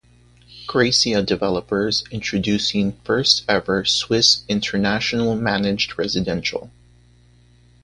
Gracia Developers Introducing First-ever Swiss International-managed residential